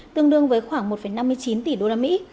tương đương với khoảng một năm mươi chín tỷ usd